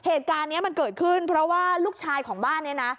เหตุการณ์นี้มันเกิดขึ้นเพราะว่าลูกชายของบ้านเนี่ยนะ